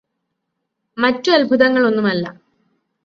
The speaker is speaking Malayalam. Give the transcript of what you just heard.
മറ്റു അത്ഭുതങ്ങൾ ഒന്നുമല്ല